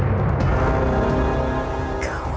berarti kamu harus